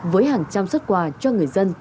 với hàng trăm xuất quà cho người dân